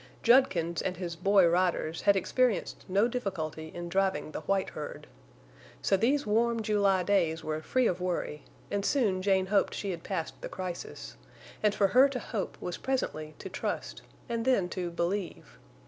Judkins and his boy riders had experienced no difficulty in driving the white herd. So these warm July days were free of worry, and soon Jane hoped she had passed the crisis; and for her to hope was presently to trust, and then to believe.